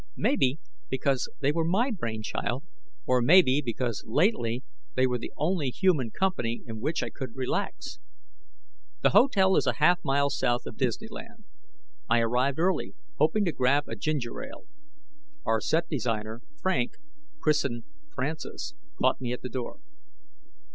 Maybe because they were my brain child, or maybe because lately they were the only human company in which I could relax. The Hotel is about a half mile south of Disneyland. I arrived early, hoping to grab a ginger ale. Our set designer, Frank christened Francis caught me at the door.